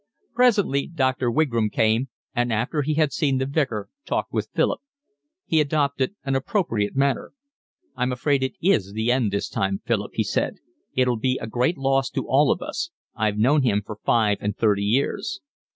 Presently Dr. Wigram came, and after he had seen the Vicar talked with Philip. He adopted an appropriate manner. "I'm afraid it is the end this time, Philip," he said. "It'll be a great loss to all of us. I've known him for five and thirty years."